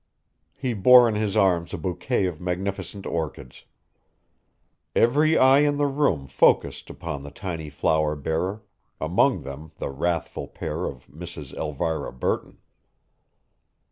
He bore in his arms a bouquet of magnificent orchids. Every eye in the room focussed upon the tiny flower bearer, among them the wrathful pair of Mrs. Elvira Burton.